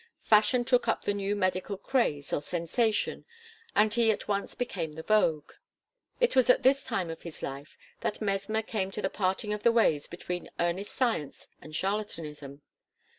Fashion took up the new medical "craze" or "sensation," and he at once became the vogue. It was at this time of his life that Mesmer came to the parting of the ways between earnest science and charlatanism.